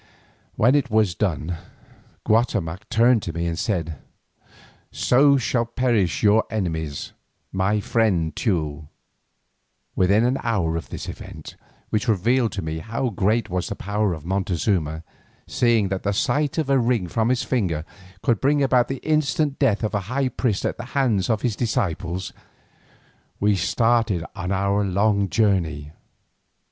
When it was done Guatemoc turned to me and said, "So perish all your enemies, my friend Teule." Within an hour of this event, which revealed to me how great was the power of Montezuma, seeing that the sight of a ring from his finger could bring about the instant death of a high priest at the hands of his disciples, we started on our long journey.